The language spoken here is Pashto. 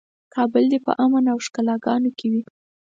کابل دې په امن او ښکلاګانو کې وي.